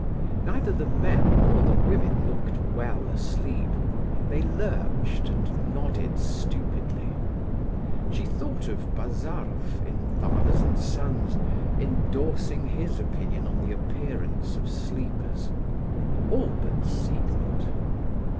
Neither the men nor the women looked well asleep. They lurched and nodded stupidly. She thought of Bazarof in Fathers and Sons, endorsing his opinion on the appearance of sleepers: all but Siegmund.